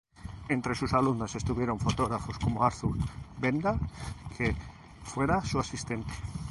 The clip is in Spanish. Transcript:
Entre sus alumnos estuvieron fotógrafos como Arthur Benda, que fuera su asistente.